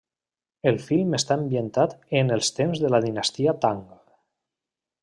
El film està ambientat en els temps de la dinastia Tang.